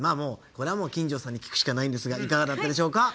金城さんに聞くしかないんですがいかがだったでしょうか？